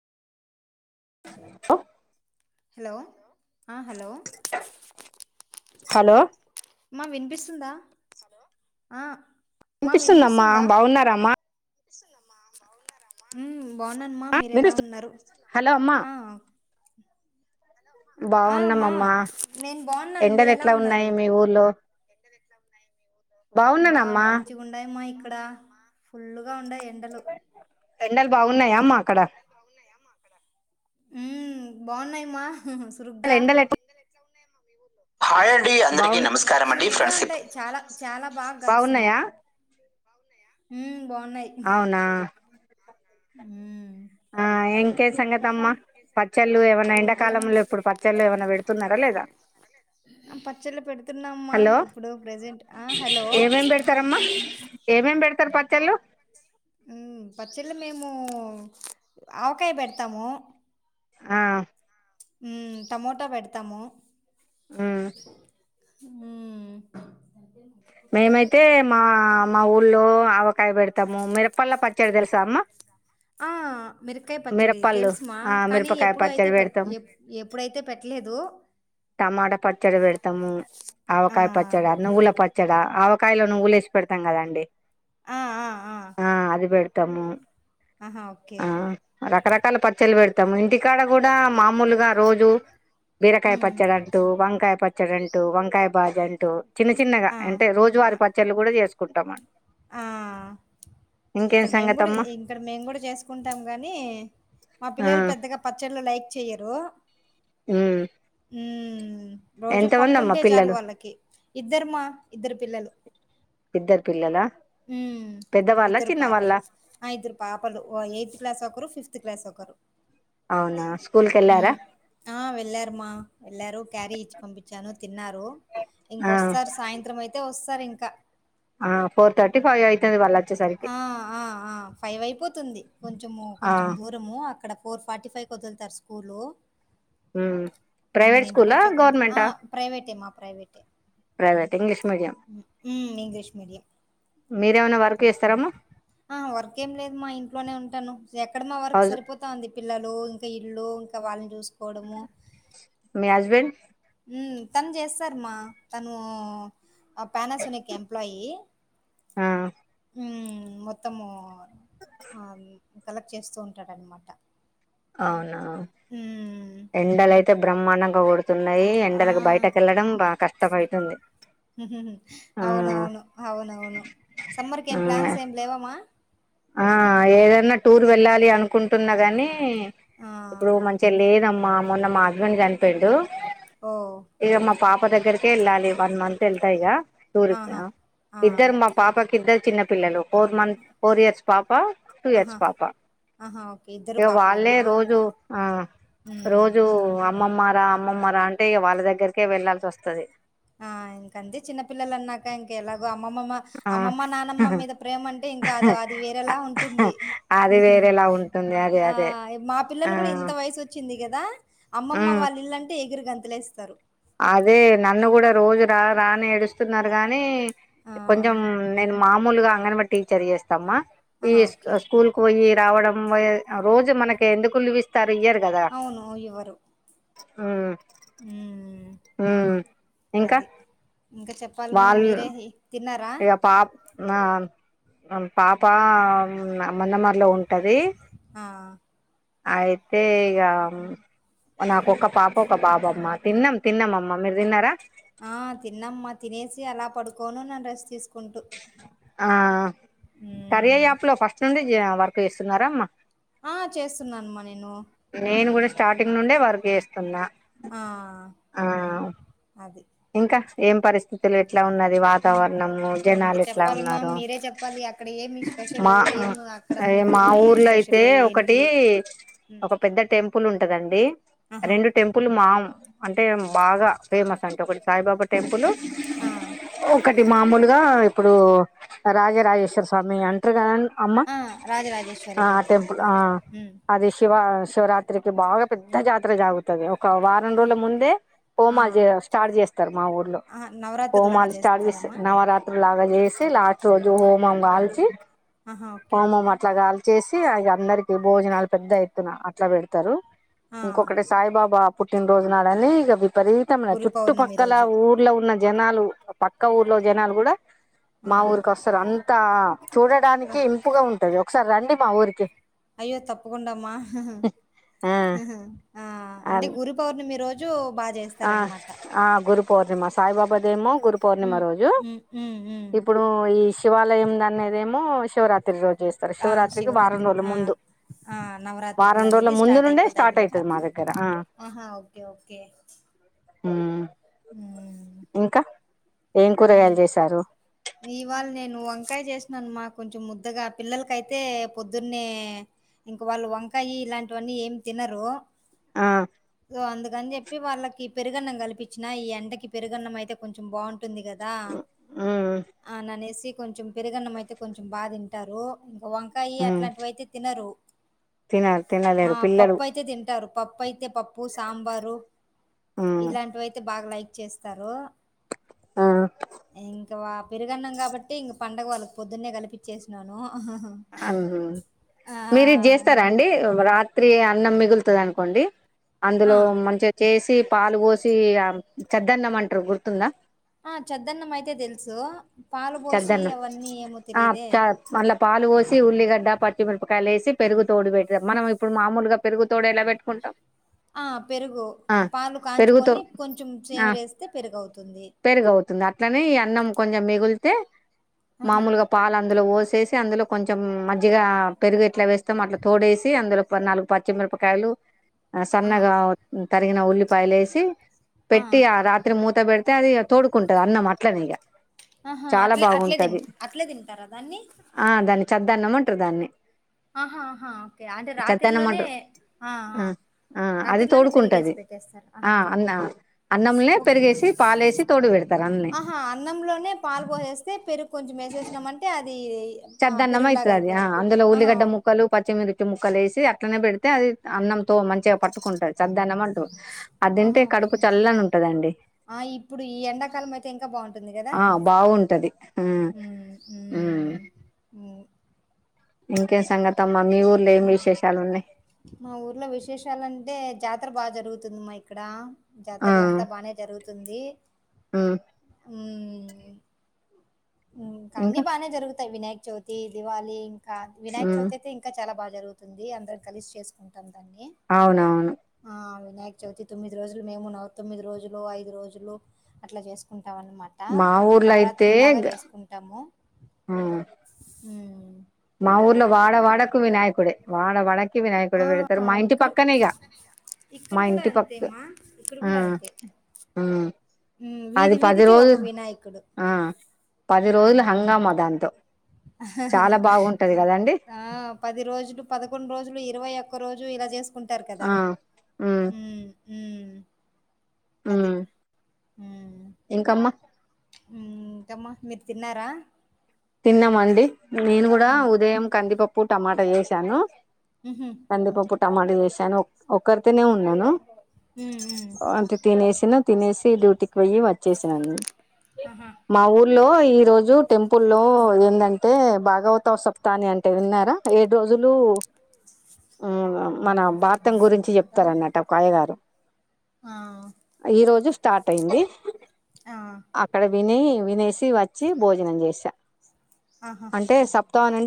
Hello ఆ hello hello మా వినిపిస్తుందా ఆ వినిపిస్తుందమ్మా బాగున్నారమ్మా బాగునమ్మా మీర ఎలా వినిపిస్తు ఉన్నారు హలో అమ్మా ఆ మా బాగున్నామ్మా నేను బాగున్నాను మీరు ఎండలు ఎలా ఎట్లా ఉన్నాయి ఉన్నారు మీ ఊర్లో బా బాగున్నానమ్మా మంచిగా ఉంయమ్మా ఇక్కడ ఫుల్లుగా ఉండయి ఎండలు ఎండలు బాగున్నాయా అమ్మా అక్కడ ఉ బాగున్నాయమ్మా సురుగ్గా ఎండలు ఎట్లా హాయ్ అండి అందరికి నమస్కారం అండి సురుగ్గా ఫ్రెండ్షిప్ ఉండయి చాలా చాలా బాగా కలుస్తున్నాయి బాగున్నాయా బన్నాయ్ అవునా హ ఆ ఎంకే సంగతమ్మ ప పచ్చళ్ళు ఏమైనా ఇంకేం ఎండాకాలంలో ఇప్పుడు పచ్చళ్ళు ఏమైనా పెడుతున్నారా లేదా పచ్చళ్ళు పెడుతున్నామ్మా హలో ఇప్పుడు ప్రెజెంట్ ఆ హలో ఏమేం పెడతారమ్మా ఏమేం పెడతారు పచ్చలు పచ్చళ్ళు మేము ఆవకాయ పెడతాము ఆ హ టమటా పెడతాము ఉమ్ హ మేమైతే మా ఆ మా ఊళ్ళ ఆవకాయ పెడతాము మిరపల్లా పచ్చడి తెలుసా అమ్మ మిరకాయ పచ్చడి మిరపళ్ళు తెలుసుమా ఆ కానీ మిరపకాయ ఎప్పుడ అయితే పచ్చడి పె పెడతాం ఎప్పుడైతే పెట్టలేదు టమాట పచ్చడి పెడతాము ఆ! ఆవకాయ పచ్చడి నువ్వుల పడి ఆవకాయలో నువ్వులు వేసిి పెడతాంద అండి ఆ! ఆ! ఆ! అది పెడతాము ఆహా ఓకే ఆ రకరకాల పచ్చలు పెడతాము ఇంటికాడ కూడా మామూలుగా రోజు బీరకాయ హ్మ్. పచ్చడింటు వంకాయ పచ్చడింటు వంకాయ బాజ్ అంటు చిన్న చిన్నగా ఆ! అంటే ఆ! రోజువారి పచ్చళ్లు కూడా చేసుకుంటాం అండి ఆ ఇక్కడ మేము కూడా సంగతమ్మా ఇక్కడ మేము కూడా చేసుకుంటాం గానీ మా ఆ పిల్లలు పెద్దగా పచ్చళ్ళ లైక్ చెయరు ఉ ఉ రోజు పప్పు ఉంటే చాలు వాళ్ళకి ఇద్దరుమా ఇద్దరు పిల్లలు ఇద్దరి పిల్లలా హ ఇద్దరు పాపలు ఇద్దరు పాపాలు ఎయిత్ క్లాస్ వకరు ఫిఫ్త్ క్లాస్ ఒకరు అవునా స్కూల్ కెళ్లారా హ్మ్. ఆ వెళ్ళారమ్మా వెళ్ళారు క్యారీ ఇచ్చి పంపించాను తిన్నారు ఆ ఇంకొస్తారు సాయంత్రం అయితే వస్తారు ఇంకా ఆ ఫోర్ థటీ ఫైవ్ అవుయితుంది వల్ ఆ ఆ ఆ ఫైవ్ అయిపోతుంది కొంచెము ఆ కొంచెం దూరము అక్కడ ఫోర్ ఫార్టీ ఫైవ్కి వదులుతారు స్కూల్ ఉమ్ ప్రైవేట్ ఇంటికి స్కూలా వచ్చే కుందు ఆ గవర్నమెంటా ప్రైవేటే మా ప్రైవేటే ప్రైవేట్ ఇంగ్లీష్ మీడియం ఇంగ్లీష్ మీడియంయం మీరేమనా వర్క్ చేస్తారమ్మా ఆ వర్క్ ఏం లేదు మా ఇంట్లోనే ఉంటాను ఎక్కడ మా వర్క్ హౌస్ సరిపోతా ఉంది పిల్లలు ఇంకా ఇల్లు ఇంకా వాళ్ళని చూసు మీ హస్బెండ్ ఉ తను చేస్తారమ్మా తను ఆ పనాసోనిక్ ఎంప్లాయి ఆ మొత్తము కలెక్ట్ చేస్తూ ఉంటాడన్నమాట అవునా ఎండలయితే బ్రహ్మాండంగా గొడు తున్నాయి ఆ ఎండలకు బయటక వెళ్ళడం బాగా కష్టపడుతుంది అవునవును అవునవును సమ్మర్ క ఆ ఏం ప్లాన్స్ ఏం లేవామా ఆ ఏదనా టూర్ వెళ్ళాలి అనుకుంటున్నా గాని ఆ ఇప్పుడు మంచిగా లేదమ్మా మొన్న మా హస్బెండ్ చనిపోఇండు ఓ పాప దగ్గరకే వెళ్ళాలి వన్ మంత్ వెళ్తాయి టూర్ ఆహా క ఆ ఇద్దరు మా పాపకి ఇద్దరు చిన్న పిల్లలు ఫోర్ మంత్ ఫోర్ ఇయర్స్ పాప టూ ఇయర్స్ ఆహా పాప ఆహా ఓకే ఇద్దరు ఇక వాళ్ళే పాపలేనా రోజు ఆ హ్మ్ రోజు అమ్మమ్మ అమ్మమ్మరా అంటే వాళ్ళ దగ్గరకే వెళ్ళాల్సి వస్తది ఆ ఇంక అంతే చిన్న పపిల్లలు అన్నాక ఇంక ఎలా అమ్మమ్మమ్మ ఆ అమ్మమ్మ నానమ్మ మీద ప్రేమ అంటే ఇంకా అ అది వేరేలా ఉంటుంది అది వేరేలా ఉంటుంది అదే ఆ అదే మా ఆ పిల్లలు కూడా ఇంత వయసు వచ్చింది కదా అమ్మమ్మ ఉమ్ వాళ్ళ ఇల్లుంటే ఎగురు గంతలేస్తారు అదే నన్ను కూడా రోజు రా రాని ఏడుస్తున్నారు గాని ఆ కొంచెం నేను మామూలుగా అంగని బడి టీచర్ చేస్తా మా ఈ ఆహా ఓకే స్కూల్ పోయి రావడం రోజు మనకి ఎందుకు లివ్ ఇస్తారు అవును ఇవరు హామ్ ఉ హ ఇంకా ప్పల్ మ్మ మీరే తిన్నారా ఇక పాప్ పాప మన్నమలు ఆ అయితే ఇగ నాకొ ఒక పాప ఒక బాబమ్మ తిన్నాం తిన్నామమ్మ మీరు తిన్నారా ఆ తిన్నమ్మా తినేసి అలా పడుకోను నన్ను రెస్ట్ తీసుకుంటూ ఆ కరీర్ హ్మ్ యాప్ లో ఫస్ట్ నుండి వర్క్ చేస్తున్నారా అమ్మా చేస్తున్నా అనమా నేను కూడా స్టార్టింగ్ నుండే వర్క్ చేస్తున్నా ఆ ఆ అది ఇంకా ఏం పరిస్థితులు ఇట్లా ఉన్నది ఉమ్, వాతావరణము ఇంకా జనాలు ఎట్లా చెప్పాలమ్మా ఉన్నారు మీరే చెప్పాలి అక్కడ ఏమి స్పెషల్ మా ఏం అక్కడ అయ మీ మా ఏం ఊర్లో అయితే స్పెషల్ ఒకటి ఏంటి ఉమ్, ఒక పెద్ద టెంపుల్ ఉంటదండి ఆహా రెండు టెంపుల్ మాం అంటే బాగా ఫేమస్ అంటే ఒకటి సాయిబాబా టెంపుల్ ఆ ఒకటి మామూలుగా ఇప్పుడు రాజరాజేశ్వర స్వామి అంటారు కద అమ్మా ఆ రాజరాజేశ్వరి ఆ టెంపుల్ మాత్ ఉమ్, అదే శివ శివరాత్రికి బాగా పెద్ద జాతర జాగుతుంది ఒక వారం ఆ రోజుల ముందే ఆ, హోమా చే స్టార్ట్ చేస్తారు మా ఊర్లో ఆ, నవరాత్రి లాగా హోమాలు స్టార్ట్ చేస్త చేస్తారమ్మా నవరాత్రు లాగా చేసి లాస్ట్ రోజు హోమం గాల్చి ఆహా ఓకే హోమం అట్లా గాల్చ చేసి అ అందరికి భోజనాలు పెద్ద ఎత్తున అట్లా పెడతారు ఆ, ఇంకొకటి సాయిబాబా పుట్టినరోజు నాడని ఇక విపరీతమ గురు పౌర్ణమి చుట్టుపక్కల రోజు ఊర్లో ఉన్న జనాలు పక్క ఊర్లో జనాలు కూడా మా ఊరిక ఆ, వస్తారు అంతా చూడడానికి ఇంపుగా ఉంటుది ఒకసారి రండి మా ఊరికి అయ్యో తప్పకుండా అమ్మా ఆ ఆ అంటే గురు పౌర్ణమి రోజు బాగా ఆ చేస్తారనమాట. ఆ గురు పౌర్ణిమా సాయిబాబా దేమో గురు పౌర్ణిమ హ్మ్. రోజు హ్మ్. హ్మ్. హ్మ్. ఇప్పుడు ఈ శివాలయం ద అనేదేమో శివరాత్రి రోజు చేస్తారు ఆ! శివరాత్రికి వారం శివరాత్రి. రోజుల ఆ! ముందు ఆ నవరాత్రులు వారం రోజుల అనేది ముందు స్టార్ట్ నుండే అయిపోతాయిన్న స్టార్ట్ మాట అయితది మా దగ్గర ఆ ఆహా ఓకే ఓకే హ్మ్మ్ హ్మ్. ఇంకా ఏం కూరగాయలు హ్మ్. చేసారు ఇవాళ నేను వంకాయ చేసినను మా కొంచెం ముద్దగా పిల్లలకయితే పొద్దునే ఇంక వాళ్ళు వంకాయి ఇలాంటివన్నీ ఏమి తినరు ఆ సో అందుకని చె చెప్పి వాళ్ళకి పెరుగన్నం కల్పించినా ఈ ఎండ కి పెరుగన్నం అయితే కొంచెం బాగుంటుంది కదా దా ఉమ్ ఆ ననేసి కొంచెం పెరుగన్నం అయితే కొంచెం బాగా తింటారు వంకాయ ఉమ్ అట్లాంటివి అయితే తినరు తిన ఆ తినలేరు పిల్లలు పప్పు అయితే తింటారు పప్పు అయితే పప్పు సాంబారు ఉమ్ ఇలాంటివి అయితే బాగా లైక్ చేస్తారు ఇంకా పెరుగన్నాం కాబట్టి ఇంక పండగ వాళ్ళకి పొద్దున్నే కలిపించేసినను అహ మీరు ఇది చేస్తారా అండి రా త్రి అన్నం మిగులుతుంది అనుకోండి ఆ! అందులో మంచిగా చేసి పాలు పోసి చద్దన్నంమంటారు గుర్తుందా ఆ చద్దన్నం అయితే తెలుసు పాలు పోసి చద్దన్నం అవన్నీ ఏమో ఆ తెలిదే చ మళ్ళా పాలు పోసి ఉల్లిగడ్డ పచ్చిమిరపకాయలు వేసి పెరుగు తోడు పెట్టారు మనం ఇప్పుడు మామూలుగా పెరుగు తోడు ఎలా పెట్టుకుంటాం ఆ పెరుగు ఆ పాలు పెరుగుతో కాంచుకొని కొంచెం ఆ చేవిరేస్తే పెరుగవుతుంది పెరుగు అవుతుంది అట్లనే ఈ అన్నం కొంచెం మిగులితే ఆహా మామూలుగా పాలు అందులో పోసేసి అందులో కొంచెం మజిగా పెరుగు ఇట్లా వేస్తాం అట్లా తోడేసి అందులో నాలుగు పచ్చిమిరపకాయలు ఆహా సన్నగా తరిగిన ఉల్లిపాయలేసి పెట్టి ఆ రాత్రి మూత పెడి తే అది తోడుకుంటది అన్నం అట్లనేక ఆహా అట్లే అట్లే తి అట్లే తింటారా దాన్ని ఆ దాన్ని చద్దన్నం అంటారు దాన్ని ఆహాహా ఓకే అంటే చద్దన్నం రాత్రిలోనే అంటారు ఆ ఆ అది రాత్రిలోనే పెరిగేసి తోడుకుంటది పెట్టేస్తారు ఆహా ఆ తో అన్నా ఓకే పెడతారు అన్నే ఆహా అన్నంలోనే పాలు పోసేస్తే పెరుగు కొంచెం వేసేసినామంటే అది పెరుగులాగా అయిపోతుంది ఊలిగడ్డ ముక్కలు పచ్చిమిరాపకయ ముక్కలు వేసి అట్లనే పెడితే అది అన్నంతో మంచిగా పట్టుకుంటుది చద్దన్నం అంట అది ఆహా తింటే కడుపు ఓకే చల్లంగా ఉంటదండి ఆ ఇప్పుడు ఈ ఎండాకాలం అయితే ఇంకా బాగుంటుంది కదా ఆ హ్మ్మ్ మ్ ఇంకేం సంగత అమ్మా మీ ఊర్లో ఏం విశేషాలు ఉన్నాయి మా ఊర్లో విశేషాలంటే జాతర బాగా జరుగుతుందమ్మా ఇక్కడ ఆ జాతరలంతా బానే జరుగుతుంది ఉమ్ ఇంకా అన్ని బాగానే జరుగుతాయి వినాయక చవితి దివళి ఇంకా వినాయక ఉమ్ చవితి అయితే ఇంకా చాలా బాగ జరుగుతుంది అందరం కలిసి చేసుకుంటాం దాన్ని. అవునా ఆ! వినాయక చవితి తొమ్మిది రోజులు మేము నవ తమ్మిది రోజులు ఐదు రోజులు అట్లా చేసుకుంటాము టానమాట మా ఊర్లో అయితే నవరాత్రులాగా గ- చేసుకుంటాము ఉమ్ అ మా ఊర్లో వాడ వాడకు వినాయకుడే వాడ వాడకు వినాయకుడ ఆ! పెడతారు మా ఇంటి ఇక్కడ పక్కనేగా ఇక్కడ కూడా అంతేమా ఇక్కడ కూడా అంతే ఉమ్ హ్మ్. అది వీధి పది వీధికి ఒక రోజులు వినాయకుడు. ఆ పది రోజులు హంగామా దాంతో చాలా అహహా బాగుంటది కదండి ఆ పది రోజులు పదకొండు రోజులు ఇరవై ఒక్క రోజు ఇలా చేస్ అనుకుంటారు కదా ఆ ఉమ్ హ్మ్ అది. ఆహ్ హ్మ్. ఇంకమ్మా ఇంకమ్మా మీరు తిన్నారా తిన్నామండి నేను కూడా హ్మ్. ఉదయం కందిపప్పు టమాటా చేసాను హుహు. కందిపప్పు టమాట చేసాను ఒక్కరితినే ఉన్నాను హ్మ్. హ్మ్. అంటే తినేసినా తినేసి డ్యూటీకి వొయ్యి వచ్చేసాను ఆహా! మా ఊర్లో ఈ రోజు టెంపుల్లో ఏందంటే బాగ్ గవత సప్తాన్ని అంటే విన్నారా ఏడు రోజులు మన భారతం గురించి ఇంకమ్మా? చెప్తారన్నట్టు ఒక అయ్యగారు ఆ! ఈ రోజు స్టార్ట్ అయింది ఆ! అక్కడ విని వినేసి సి వచ్చి భోజనం చేసి ఆహా! అంటే సప్తాహనండి